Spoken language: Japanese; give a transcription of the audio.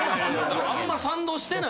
あんま賛同してない。